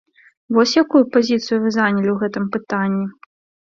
Вось якую пазіцыю вы занялі ў гэтым пытанні?